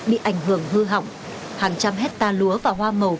bị ảnh hưởng hư hỏng hàng trăm hecta lúa và hoa màu